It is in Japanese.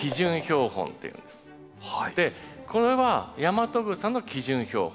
それがこれはヤマトグサの基準標本。